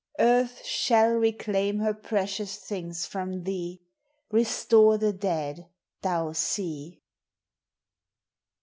Earth shall reclaim her precious things from thee !— Restore the dead, thou sea